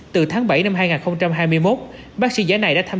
từ tháng bảy năm hai nghìn hai mươi một